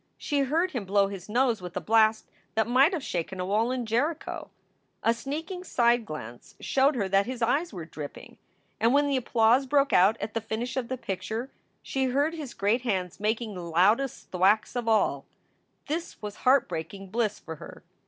She heard him blow his nose with a blast that might have shaken a wall in Jericho. A sneaking side glance showed her that his eyes were dripping. And when the applause broke out at the finish of the picture, she heard his great hands making the loudest thwacks of all. This was heartbreaking bliss for her.